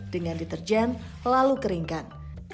dengan deterjen lalu keringkan